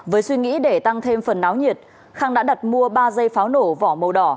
với suy nghĩ để tăng thêm phần náo nhiệt khang đã đặt mua ba dây pháo nổ vỏ màu đỏ